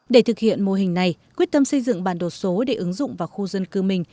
để thực hiện mô hình này quyết tâm xây dựng bản đồ số để ứng dụng vào khu dân cư mình